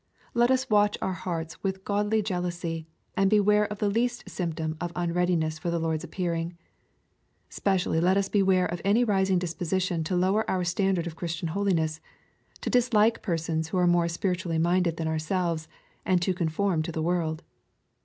Let us watch our hearts with a godly jealousy, and beware of the least symptom of unreadiness for the Lord's appearing. Specially let us beware of any rising disposition to lower our standard of Christian holiness, — to dislike persons who are more spiritually minded than ourselves, and to conform to the world.